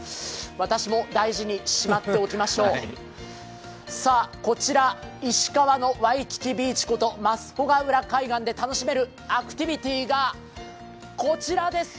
私も、大事にしまっておきましょうこちら、石川のワイキキビーチこと増穂浦海岸で楽しめるアクティビティーがこちらです。